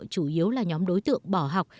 chủ yếu là nhóm đối tượng bỏ học